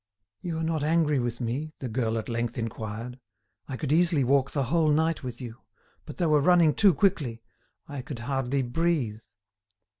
"You are not angry with me?" the girl at length inquired. "I could easily walk the whole night with you; but they were running too quickly, I could hardly breathe."